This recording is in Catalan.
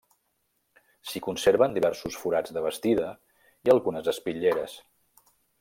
S'hi conserven diversos forats de bastida i algunes espitlleres.